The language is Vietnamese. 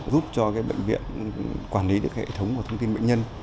giúp cho bệnh viện quản lý được hệ thống và thông tin bệnh nhân